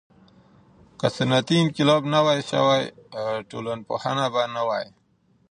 که صنعتي انقلاب نه وای سوی، ټولنپوهنه به نه وای.